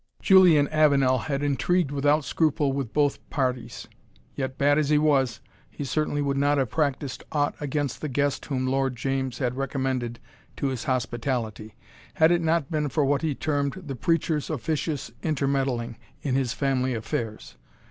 Julian Avenel had intrigued without scruple with both parties yet bad as he was, he certainly would not have practised aught against the guest whom Lord James had recommended to his hospitality, had it not been for what he termed the preacher's officious inter meddling in his family affairs.